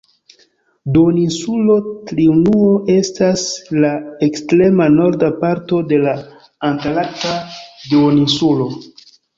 Duoninsulo Triunuo estas la ekstrema norda parto de la Antarkta Duoninsulo.